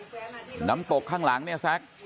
น้ำตกข้างหลังเนี่ยแซ็ก